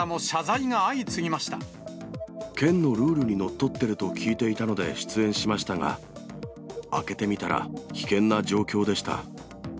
県のルールにのっとってると聞いていたので出演しましたが、開けてみたら、危険な状況でした。